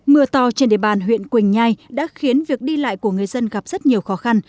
mưa to trên địa bàn huyện quỳnh nhai đã khiến việc đi lại của người dân gặp rất nhiều khó khăn